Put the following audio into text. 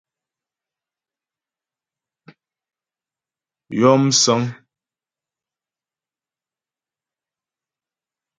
Yɔ msə̌ŋ.